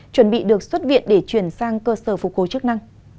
chuẩn bị được xuất viện để chuyển sang cơ sở phục hồi chức năng